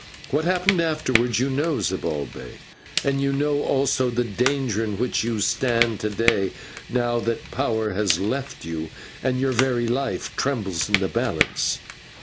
What happened afterwards you know, Zibalbay, and you know also the danger in which you stand to day, now that power has left you, and your very life trembles in the balance."